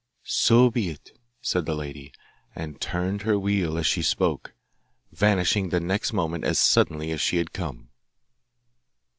'So be it,' said the lady, and turned her wheel as she spoke, vanishing the next moment as suddenly as she had come.